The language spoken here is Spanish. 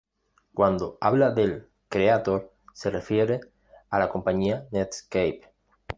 Cuando habla del "Creator" se refiere a la compañía Netscape.